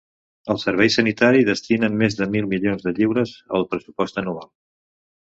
El servei sanitari destina més de mil milions de lliures al pressupost anual.